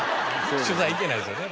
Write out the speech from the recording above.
取材行けないですよね